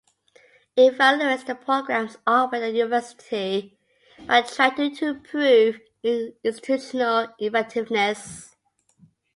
It evaluates the programs offered at the University, while trying to improve institutional effectiveness.